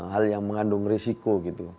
hal yang mengandung risiko